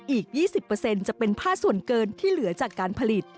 อีก๒๐จะเป็นผ้าส่วนเกินที่เหลือจากการผลิต